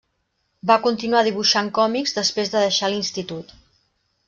Va continuar dibuixant còmics després de deixar l'institut.